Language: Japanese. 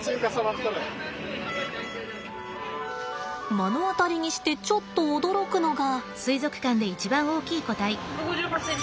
目の当たりにしてちょっと驚くのが。